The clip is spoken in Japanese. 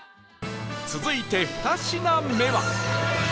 続いて２品目は